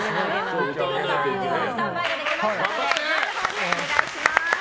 スタンバイができましたのでお願いします。